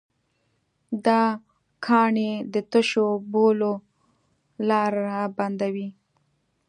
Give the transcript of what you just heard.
دا کاڼي د تشو بولو لاره بندوي.